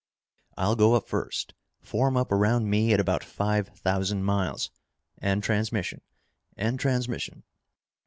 "I'll go up first. Form up around me at about five thousand miles. End transmission!" "End transmission!"